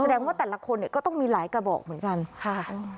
แสดงว่าแต่ละคนเนี่ยก็ต้องมีหลายกระบอกเหมือนกันค่ะ